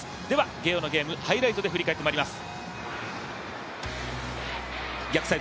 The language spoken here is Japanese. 今日のゲームハイライトで振り返っていきます。